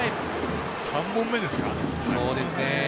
３本目ですか。